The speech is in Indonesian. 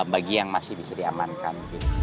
bagi yang masih bisa diamankan